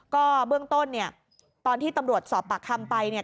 ก็เบื้องต้นเนี่ยตอนที่ตำรวจสอบปากคำไปเนี่ย